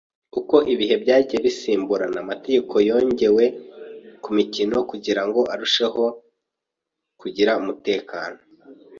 Uko ibihe byagiye bisimburana, amategeko yongewe kumikino kugirango arusheho kugira umutekano.